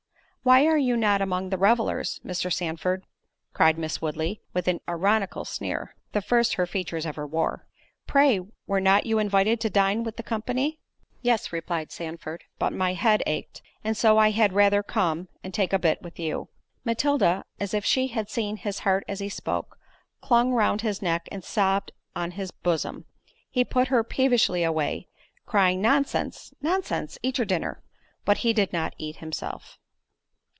"Why are you not among the revellers, Mr. Sandford?" cried Miss Woodley, with an ironical sneer—(the first her features ever wore)—"Pray, were not you invited to dine with the company?" "Yes," replied Sandford; "but my head ached; and so I had rather come and take a bit with you." Matilda, as if she had seen his heart as he spoke, clung round his neck and sobbed on his bosom: he put her peevishly away, crying "Nonsense, nonsense—eat your dinner." But he did not eat himself.